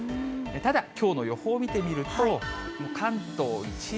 ただ、きょうの予報を見てみると、関東一円